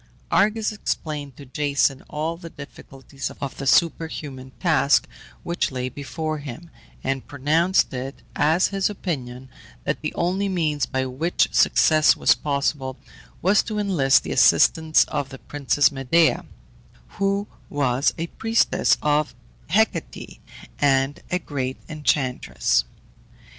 Argus explained to Jason all the difficulties of the superhuman task which lay before him, and pronounced it as his opinion that the only means by which success was possible was to enlist the assistance of the Princess Medea, who was a priestess of Hecate, and a great enchantress.